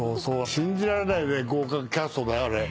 信じられない豪華キャストだよ。